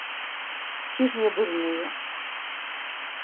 Ці ж не дурныя?